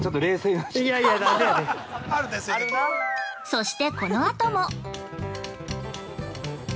◆そしてこのあとも。